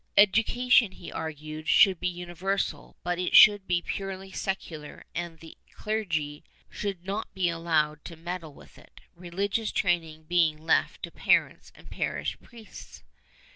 Education, he argued, should be universal, but it should be purely secular, and the clergy should not be allowed to meddle with it, religious training being left to parents and parish priests.